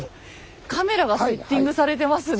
カメラがセッティングされてますね。